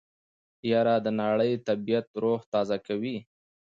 يره د ناړۍ طبعيت روح تازه کوي.